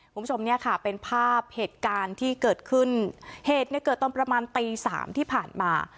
คุณผู้ชมเนี่ยค่ะเป็นภาพเหตุการณ์ที่เกิดขึ้นเหตุเนี่ยเกิดตอนประมาณตีสามที่ผ่านมา